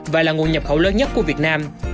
và là nguồn nhập khẩu lớn nhất của việt nam